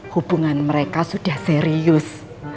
hubungan mereka sudah serius